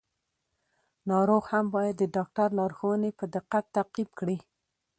ناروغ هم باید د ډاکټر لارښوونې په دقت تعقیب کړي.